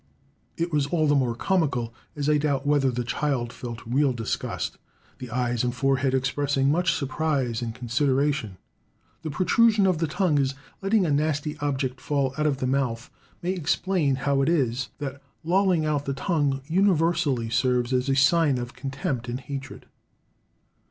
It was all the more comical, as I doubt whether the child felt real disgust—the eyes and forehead expressing much surprise and consideration. The protrusion of the tongue in letting a nasty object fall out of the mouth, may explain how it is that lolling out the tongue universally serves as a sign of contempt and hatred.